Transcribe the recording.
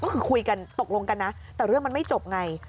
ก็คือคุยกันตกลงกันนะแต่เรื่องมันไม่จบไง